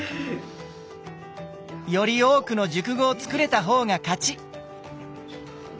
より多くの熟語を作れた方が勝ち！